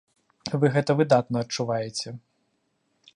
Вы гэта выдатна адчуваеце.